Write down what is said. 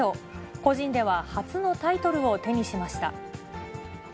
個人では初のタイトルを手にしました。